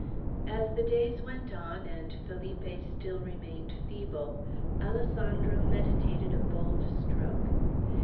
As the days went on, and Felipe still remained feeble, Alessandro meditated a bold stroke.